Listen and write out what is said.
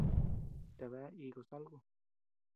¿Tabea iì costal ku?